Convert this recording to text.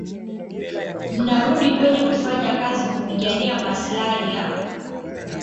mnarudi kwenye kufanya kazi Kupigania maslahi ya